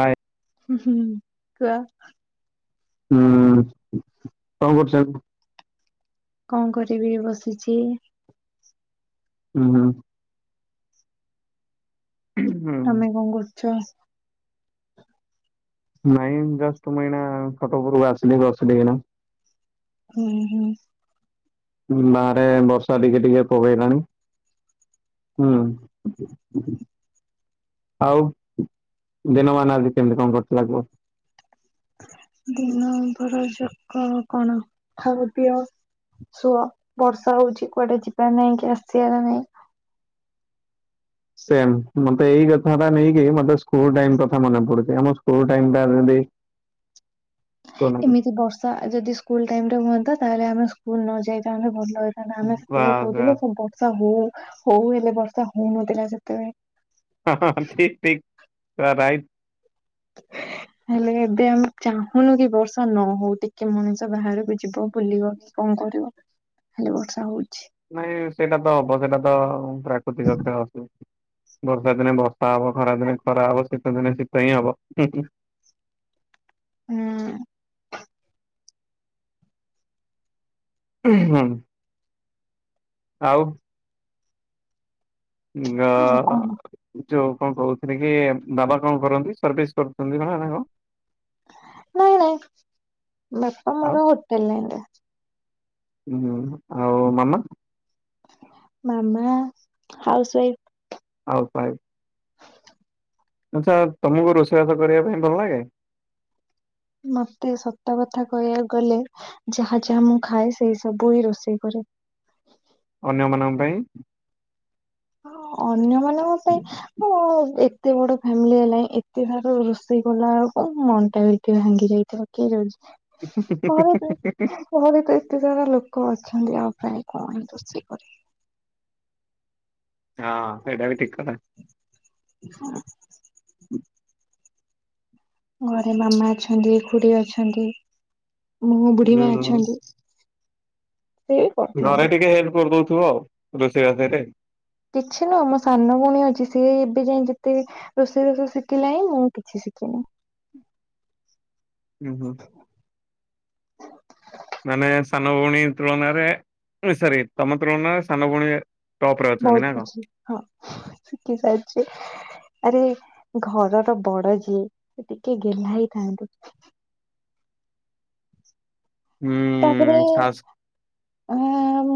ଆଉ ହୁଁ ହୁଁ କୁହ? ହୁଁ କଣ କରୁଛ? କଣ କରିବି ବସିଛି। ହୁଁ ହୁଁ। ହୁଁ। ତମେ କଣ କରୁଛ? ନାଇଁ ଜଷ୍ଟ ମୁଁ ଏଇନା ଖଟ ଉପରକୁ ଆସିଲି ବସିଲି କିନା। ହୁଁ ହୁଁ ବାହାରେ ବର୍ଷା ଟିକେ ଟିକେ ପକେଇଲାଣି। ହୁଁ। ଆଉ ଦିନମାନ ଆଜି କେମିତି କଁ କଟିଲା କୁହ। ଦିନ ନମ୍ବର ଯାକ କଣ ଖାଇବା ପିଆ ସୁଅ ବର୍ଷା ହୋଉଛି କୁଆଡେ଼ ଯିବାର ନାହିଁ କି ଆସିବାର ନାହିଁ। ସେ ଏମିତି ଏଇ କଥା ଟା ନେଇକି ମତେ ସ୍କୁ ଟାଇମ୍ କଥା ମନେ ପଡୁଛି। ଆମ ସ୍କୁ ଟାଇମ୍ ଟା ଯଦି ହ [inaudible] କହନା କହ। ଏମିତି ବର୍ଷା ଯଦି ସ୍କୁଲ ଟାଇମ୍ ରେ ହୁଅନ୍ତା ତାହେଲେ ଆମେ ସ୍କୁଲ ନ ଯାଇଥାନ୍ତେ ଭଲ ହେ ତାହେଲେ ଆମେ ସେତେବେଳେ ବାସ୍ କହୁଥିଲେ ବାସ୍ ସବୁ ବର୍ଷା ହୋଉ ହୋଉ ହେଲେ ବର୍ଷା ହୋଉନଥିଲା ସେତେବେଳେ ହଁ ହଁ ହଁ ଠିକ ଠିକ ରା ରାଇଟ। ହେ ହେ। ହେଲେ ଏବେ ଆମେ ଚାହୁଁନୁ କି ବର୍ଷା ନ ହୋଉ ଟିକେ ମଣିଷ ବାହାରକୁ ଯିବ ବୁଲିବ। କଣ କରିବ ଖାଲି ବର୍ଷା ହୋଉଚି। ନାଇଁ ସେଇଟା ତ ହବ ତ ଆଉ ସେଇଟା ତ ପ୍ରାକୃତିକ କ୍ଷୟ ହୁଏ। ବର୍ଷା ଦିନେ ବର୍ଷା ହବ ଖରା ଦିନେ ଖରା ହବ ଶୀତ ଦିନେ ଶୀତ ହିଁ ହବ ହୁଁ ହୁଁ। ହୁଁ। ଉଁ ହୁଁ। ଆଉ। ଆଉ ଗଅ କଣ ଯୋଉ କଣ କହୁଥିଲ କି ବାବା କଣ କରନ୍ତି ସର୍ଭିସ୍ କରୁଛନ୍ତି ନା କ କଣ? ନାଇଁ ନାଇଁ ବାପା ଆଉ ମୋର ହୋଟେଲ ଲାଇନ୍ ରେ। ହୁଁ ଆଉ ମାମା ମାମା ହାଉସୱାଇଫ୍। [unintelligible] ଆଛା ତମକୁ ରୋଷେଇବାସ କରିବା ପାଇଁ ଭଲ ଲାଗେ ମତେ ସତ କଥା କହିବାକୁ ଗଲେ, ଯାହା ଯାହା ମୁଁ ଖାଏ ସେଇ ସବୁ ହିଁ ରୋଷେଇ କରେ। ଅନ୍ୟମାନଙ୍କ ପାଇଁ ହଁ ଅନ୍ୟମାନଙ୍କ ପାଇଁ ହଁ ଏତେ ବଡ ଫ୍ୟାମିଲି ହେଲାଣି, ଏତେ ସାରା ରୋଷେଇ କଲା ବେଳକୁ, ମନ ଟା ଭାଙ୍ଗି ଯାଇଥାଏ କି? ଘରେ ତୁ। ଘରେ ତ ଏତେ ସାରା ଲୋକ ଅଛନ୍ତି ଆଉ ପ୍ରାୟେ କଣ ରୋଷେଇ କରିବି। ହଁ ସେଇଟା ବି ଠିକ୍ କଥା। ହଁ। ହୁଁ। ଘରେ ମାମା ଅଛନ୍ତି ଖୁଡି ଅଛନ୍ତି ମୁଁ ବୁଢୀ ମା ହୁଁ। ଅଛନ୍ତି ସେ ବି ଘରେ କରିଦିଅନ୍ତି। ଟିକେ ହେଲ୍ପ କରିଦଉଥିବ ଆଉ ରୋଷେଇ ବାସରେ। କିଛି ନୁହଁ ମୋ ସାନ ଭଉଣୀ ଅଛି ସିଏ ଏବେ ଯାଇ ଯେତେ ରୋଷେଇ ବାସ ଶିଖିଲାଇଁ ମୁଁ କିଛି ଶିଖିନି। ଉଁ ହୁଁ। ମାନେ ସାନ ଭଉଣୀ ତୁଳନାରେ ହେ ସରି ତମ ତୁଳନାରେ ସାନ ଭଉଣୀ ଟପ୍ ରେ ଅଛନ୍ତି ବହୁତ ନା କଣ? କିଛି ହଁ ଶିଖି ସାରି ଆରେ ଘରର ବଡ ଯିଏ, ସେ ଟିକେ ଗେହ୍ଲା ହେଇଥାନ୍ତି। ହୁଁ ତାପରେ ଖାସ୍ ହ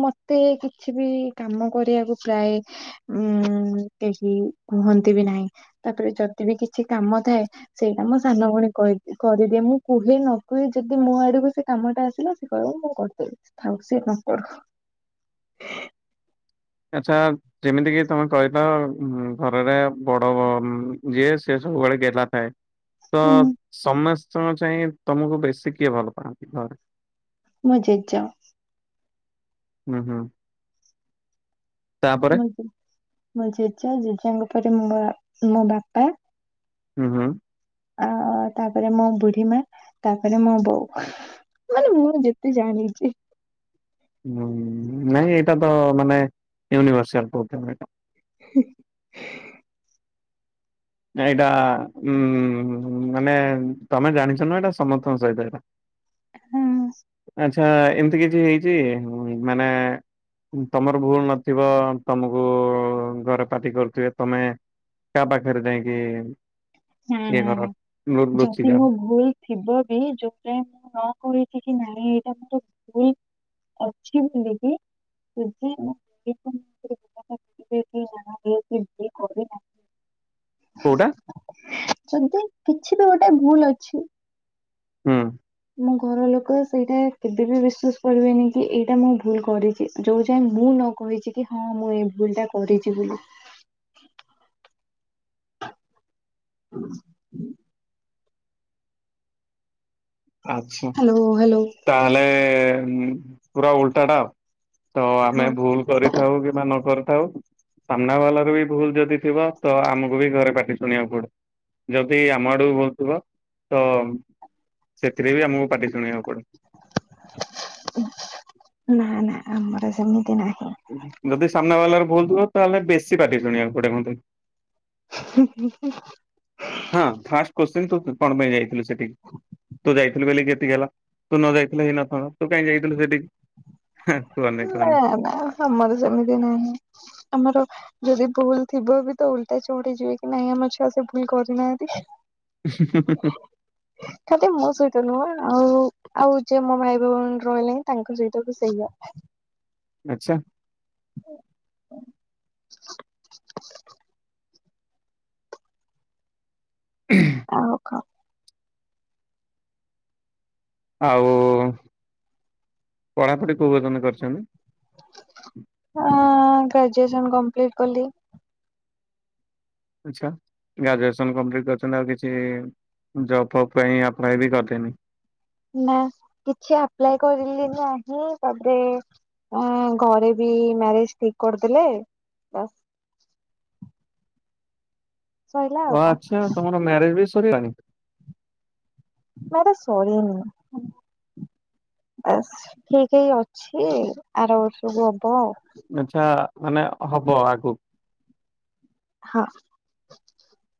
ମତେ କିଛି ବି କାମ କରିବାକୁ ପ୍ରାୟ ଉଁ କେହି କୁହନ୍ତି ବି ନାହିଁ, ତାପରେ ଯଦି ବିି କିଛି କାମ ଥାଏ ସେଇଟା ମୋ ସାନ ଭଉଣୀ କହି- କରିଦିଏ ମୁଁ କୁହେ ନ କୁହେ ଯଦି ମୋ ଆଡ଼କୁ ସେ କାମ ଟା ଆସି ଲା ସେ କହିବ ମୁଁ କରିଦେବି ଥାଉ ସିଏ ନ କରୁ ଆଚ୍ଛା ଯେମିତି କିି ତମେ କହିଲ ଘରରେ ବଡ଼ ଯିଏ ସିଏ ସବୁବେଳେ ଗେଲା ଥାଏ। ତ ହୁଁ ସମସ୍ତଙ୍କ ଚାହି ତମକୁ ବେଶୀ କିଏ ଭଲ ପାଆନ୍ତି ଘରେ? ମୋ ଜେଜ ହୁଁ ହୁଁ। ତାପରେ ମୋ ଜେଜ ଜେଜଙ୍କ ପରେ ମୋ ମୋ ବାପା ହୁଁ ହୁଁ। ଆଉ ତାପରେ ମୋ ବୁଢୀ ମା ତାପରେ ମୋ ବୋଉ। ମାନେ ମୁଁ ଯେତେ ଜାଣିଛି। ହୁଁ ନାଇଁ ଏଇଟା ତ ମାନେ ୟୁନିଭର୍ସିଆଲ୍ ବେଧେ ଏଇଟା [unintelligible] ଏଇଟା ଉଁ ମାନେ ତମେ ଜାଣିଛନା ଏଇଟା ସମସ୍ତଙ୍କ ସହିତ ଏଇଟା ଆଚ୍ଛା ଏମିତି କିଛି ହେଇଛି ମାନେ ତମର ଭୁଲ୍ ନଥିବ ତମକୁ ଘରେ ପାଟି କରୁଥିବେ ତମେ। କା ପାଖରେ ଯାଇଁକି ହଁ ଯଦି ମୁଁ ଭୁଲ୍ ଥିବ ବି ଯୋଉଟା ମୁଁ ନ କହିକି କି ନାହିଁ ଏଇଟା ମୋର ଭୁଲ୍ ଅଛି ବୋଲିକି [unintelligible] କୋଉଟା? ଯଦି କିଛି ବି ଗୋଟେ ଭୁଲ ଅଛି। ହୁଁ। ମୋ ଘର ଲୋକ ସେଇଟା କେବେ ବି ବିଶ୍ବାସ କରିବେନି କି ଏଇଟା ମୁଁ ଭୁଲ କରିଛି। ଯୋଉ ଯାଏଁ ମୁଁ ନ କହିଛି କି ହଁ ମୁଁ ଏଇ ଭୁଲ ଟା କରିଛି ବୋଲି। [unintelligible] ଆଚ୍ଛା ହାଲୋ ହାଲୋ ତାହେଲେ ପୁରା ଓଲ୍ଟାଟା ଆଉ ତ ହଁ ଆମେ ଭୁଲ୍ କରିଥାଉ କିବା ନ କରିଥାଉ। ସାମ୍ନା ବାଲା ର ବି ଭୁଲ୍ ଯଦି ଥିବ ତ ଆମକୁ ବି ଘରେ ପାଟି ଶୁଣିବାକୁ ପଡ଼େ ଯଦି ଆମ ଆଡ଼ୁ ଭୁଲ୍ ଥିବ ତ ସେଥିରେ ବି ଆମକୁ ପାଟି ଶୁଣିବାକୁ ପଡ଼େ। ନା ନା ଆମର ସେମିତି ନାହିଁ। ଯଦି ସାମ୍ନା ବାଲରେ ଭୁଲ୍ ଥିବ ତାହେଲେ ବେଶୀ ପାଟି ଶୁଣିବାକୁ ପଡ଼େ ମତେ। [unintelligible] ହଁ ଫାଷ୍ଟ କଶ୍ଚେନ୍ ତୁ କଣ ପାଇଁ ଯାଇଥିଲୁ ସେଠିକି? ତୁ ଯାଇଥିଲୁ କି ବୋଲି କେତିକି ହେଲା ତୁ ନ ଯାଇଥିଲ ହେଇ ନଥାନ୍ତା ତୁ କାଇହିଁ ଯାଇଥିଲୁ ସେଠିକି? ହେଁ କୁହନି ନା କୁହନି ନା ଆମର ସେମିତି ନାହିଁ ଆମର ଯଦି ଭୁଲ ଥିବ ବି ତ ଉଲ୍ଟା ଚଉଢି ଯିବେ କି ନାଇଁ ଆମ ଛୁଆ ସେ ଭୁଲ୍ କରିନାହାନ୍ତି। [unintelligible] ହଁ ଖାଦ ମୋ ସହିତ ନୁହଁ ଆଉ ଆଉ ଯେ ମୋ ଭାଇ ଭଉଣୀ ରହିଲେ ବି ତାଙ୍କ ସହିତ ବି ସେଇଆ। ଆଚ୍ଛା [unintelligible] ଉହୁଁ ଆଉ ଖ ଆଉ ପଢାପଢି କୋଉ ପର୍ୟ୍ଯନ୍ତ କରିଛନ୍ତି। ଅ ଗ୍ରାଜୁଏସନ କମ୍ପ୍ଲିଟ୍ କଲି। ଆଛା ଗ୍ରାଜୁଏସନ୍ କପ୍ଲିଟ୍ କରୁଛନ୍ତି ଆଉ କିଛି ଜବ୍ ଫପ୍ ପାଇଁ ଆପଲାଏ ବି କରିଥିନି। ନା କିଛି ଆପ୍ଲାଏ କରିଲି ନାହିଁ ତାପରେ ଘରେ ବି ମ୍ୟାରେଜ ଠିକ କରିଦେଲେ। ସଇଲା ଓ ଆଉ କଣ ଆଚ୍ଛା ତମର ମ୍ୟାରେଜ ବି ସରିଗଲାଣି? ମ୍ୟାରେଜ ସରିନି। ଠିକ ହେଇ ଅଛି ଆର ବର୍ଷକୁ ହବ ଆଉ। ଆଚ୍ଛା ମାନେ ହବ ଆଗକୁ। ହଁ।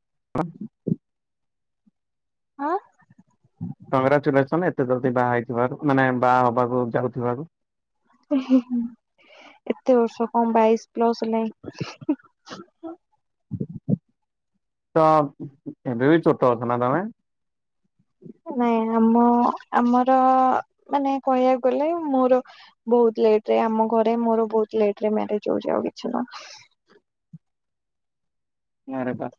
[unintelligible] ଆଁ? କଂଗ୍ରାଚୁଲେସନ ଏତେ ଜଲଦି ବାହା ହେଇଥିବାରୁ ମାନେ ବାହା ହବାକୁ ଯାଉଥିବାରୁ। ଏତେ ବର୍ଷ କଣ ବାଇଶ ପ୍ଲସ ହେଲାଣି। ତ ଏବେ ବି ଛୋଟ ଅଛ ନା ତମେ? ନାଇଁ ଆମ ଆମର ମାନେ କହିବାକୁ ଗଲେ ମୋର ବହୁତ ଲେଟ ରେ ଆମ ଘରେ ମୋର ବହୁତ ଲେଟରେ ମ୍ୟାରେଜ ହଉଛି ଆଉ କିଛି ନୁହଁ। ନାଁରେ ଟା।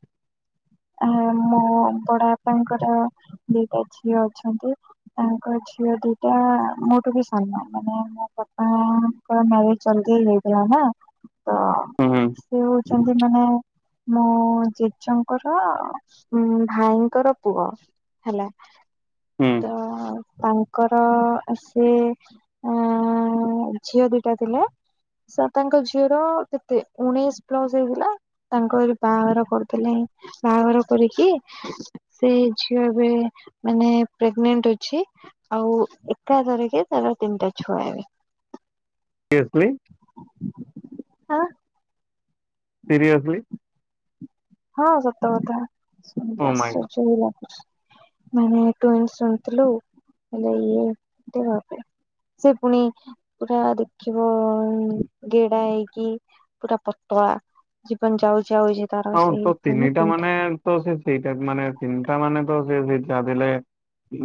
ଆ ମୋ ବଡ ବାପାଙ୍କର ଦିଟା ଝିଅ ଅଛନ୍ତି। ତାଙ୍କ ଝିଅ ଦିଟା ମୋଠୁ ବି ସାନ ମାନେ ମୋ ବାପା ନ ଚଲଦେଇ ହେଇଥିଲା ନା ତ ହୁଁ ସେ ହଉଛନ୍ତି ମାନେ ମୋ ଜେଜେଙ୍କର ଉ ଭାଇଙ୍କର ପୁଅ ହେଲା ହୁଁ ତ ତାଙ୍କର ସେ ଝିଅ ଦିଟା ଥିଲେ। ସାର ତାଙ୍କ ଝିଅର କେତେ ଉଣେଇଶ ପ୍ଲସ ହେଇଥିଲା। ତାଙ୍କ ବାହାଘର କରିଦେଲେ ବାହାଘର କରିକି ସେଇ ଝିଅ ଏବେ ମାନେ ପ୍ରେଗନଣ୍ଟ ଅଛି। ଆଉ ଏକାଥର କେ ତାର ତିନିଟା ଛୁଆ ଏବେ। [unintelligible] ଆଁ? ସିରିୟସଲି। ହଁ, ସତ କଥା ଶୁଣିକି ଓ ମାଇଁ ଆଶ୍ଚର୍ଯ୍ୟ ବି ଲାଗୁଚି। ମାନେ ତୁ ଏନ୍ତି ଶୁଣିଥିଲୁ, ହେଲେ ଇଏ [unintelligible] ସେ ପୁଣି ପୁରା ଦେଖିବ ଗେଡା଼ ହେଇକି ପୁରା ପତଳା। ଜୀବନ ଯାଉଚି ଆଉଚି ତାର। ହଁ, ସେଇ ତ ତିନିଟା ପିନ୍ଧା ମାନେ, ତ ସେ ଦିଟା ମାନେ ତିନିଟା ମାନେ, ତ ସେ ସେଇଟା ଦେଲେ।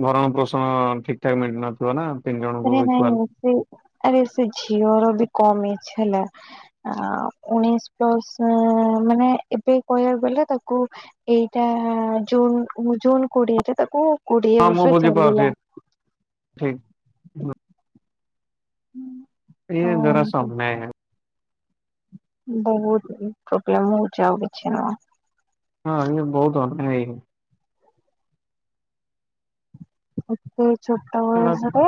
ଭରଣ ପୋଷଣ ଠିକଠାକ ମିଳି ନଥିବ ନା? ତିନି ଜଣଙ୍କୁ ଆରେ ଇକ୍ୱାଲ। ନାଇଁ ଏ ଆରେ ଏ ସେ ଝିଅର ବି କମ୍ ଇଚ୍ଛା ହେଲା। ଆ ଉଣେଇଶ ପ୍ଲସ ମାନେ ଏବେ କହିବାକୁ ଗଲେ ତାକୁ ଏଇଟା ଜୁନ ଜୁନ କୋଡିଏଟା ତାକୁ କୋଡିଏ ବର୍ଷ ଚାଲିଲା। ଠିକ୍। ଇଏ ତ ଜରା ସନା ବହୁତ ପ୍ରୋବ୍ଲେମ ହଉଛି ଆଉ କିଛି ନୁହଁ। ହଁ ଇଏ ବହୁତ [unintelligible] ଏତେ ଛୋଟ ଏଗୁଡା ବୟସରେ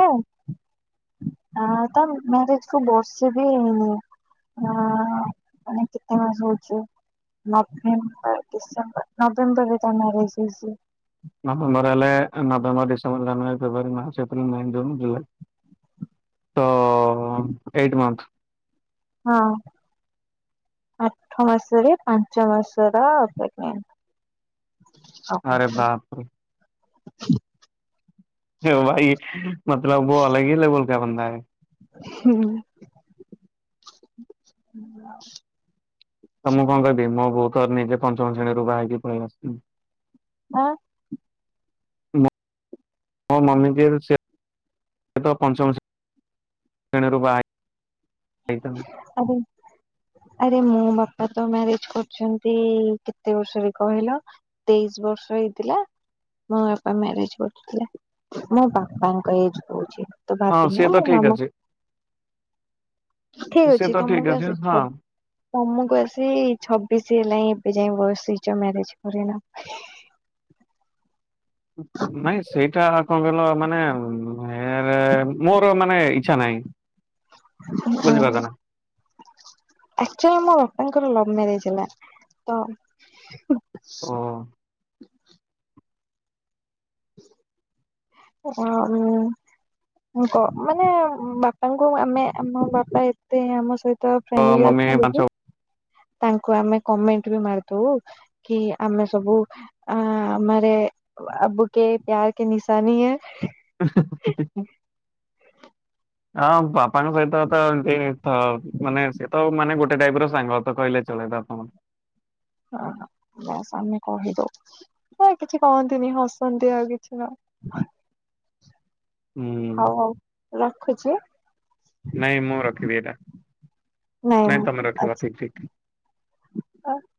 ଆ ତା ମରେଜକୁୁ ବର୍ଷେ ବି ହେଇନି। ହଁ ମାନେ କେତେ ମାସ ହଉଛି? ନଭେମ୍ବର ଡିସେମ୍ବର ନଭେମ୍ବର ରେ ତା ମ୍ୟାରେଜ ହେଇଛି। ନଭେମ୍ବର ହେଲେ November, December, January, February, March, April, May, June, July. ତଅ ଏଇଟ୍ ମନ୍ଥ। ହଁ। ଆଠ ମାସରେ ପାଞ୍ଚ ମାସର ପେମେଣ୍ଟ। ଆରେ ବାପରେ [unintelligible] ହେ ଭାଇ ମତଲବ ବୋ ଅଲଗ ହି ଲେବଲ କା ବନ୍ଦା ହେ। ହୁଁ [unintelligible] ତ ମୁଁ କଣ କହିବି, ମୋ ବୋଉ ତ ନିଜେ ପଞ୍ଚମ ଶ୍ରେଣୀରୁ ବା ହେଇକି ପଳେଇ ଆସିଚି। ଆଁ ମୋ ମୋ ମମିି ଦିହରୁ ସେ, ପଞ୍ଚମ ଶେ, ଶ୍ରେଣୀରୁ ବା ଆଜ୍ଞା ଆରେ ମୋ ବାପା ତ ମ୍ୟାରେଜ କରିଛନ୍ତି କେତେ ବର୍ଷରେ କହିଲ? ତେଇଶି ବର୍ଷ ହେଇଥିଲା? ମୋ ବାପା ମ୍ୟାରେଜ୍ କରଥିଲେ, ମୋ ବାପାଙ୍କ ଏଜ ହଉଚି ତୁ ହଁ ସିଏ ଭାବିନେ ତ ମୋ ଠିକ ମାମା ଅଛି। ଠିକ ସେ ଅଛି ତ ଠିକ ତମକୁ ଅଛି ଆସି ହଁ। ସବ୍ ତମକୁ ଆସି ଛବିଶି ହେଲାଣି, ଏବେ ଯାଇ ବସିଛ ମ୍ୟାରେଜ କରିନ? ନାଇଁ ସେଇଟା କଣ କହିଲ ମାନେ ମୋର ମାନେ ଇଛାନାଇ [unintelligible] ଆକୁଚୁଆଲି ମୋ ବାପାଙ୍କର ଲଭ୍ ମ୍ୟାରେଜ ହେଲା, ତ ଓ ଓ [unintelligible] କ ମାନେ ବାପାଙ୍କୁ ଆମେ ଆମ ବାପା ଏତେ ଆମ ସହିତ ତମ ତ ଫ୍ରେଣ୍ଡଲି ମମି ଅଛନ୍ତି ପାଞ୍ଚ କି, ତାଙ୍କୁ ଆମେ କମେଣ୍ଟ ବି ମାରିଦବୁ କି ଆମେ ସବୁ ଆ ମାରେ ଆବୁ କେ ପ୍ୟାର କେ ନିଶାନୀ ହେ। [unintelligible] ହଁ, ବାପାଙ୍କ ସହିତ ତ ଏନ୍ତି ଥ ମାନେ ସେତ ମାନେ ଗୋ ଗୋଟେ ଟାଇପ ର ସାଙ୍ଗ ତ କହିଲେ ଚଳେ ତମର ଓ ବାସ ଆମେ କହିଦଉ କିଛି କହନ୍ତିନି ହସନ୍ତି ଆଉ କିଛି ନା ହୁଁ ଉଁ ହଉ ଆଉ ରଖୁଛି। ନାଇଁ ମୁଁ ରଖିବି ଏଇଟା, ନାଇଁ ତମେ ରଖିବ ଠିକ୍ ଠିକ [unintelligible]